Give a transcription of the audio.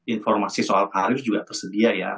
informasi soal tarif juga tersedia ya